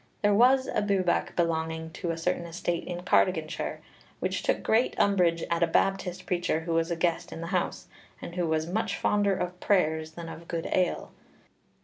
There was a Bwbach belonging to a certain estate in Cardiganshire, which took great umbrage at a Baptist preacher who was a guest in the house, and who was much fonder of prayers than of good ale.